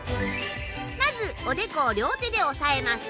まずおでこを両手で押さえます。